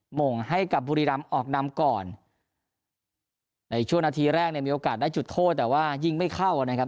หม่งให้กับบุรีรำออกนำก่อนในช่วงนาทีแรกเนี่ยมีโอกาสได้จุดโทษแต่ว่ายิงไม่เข้านะครับ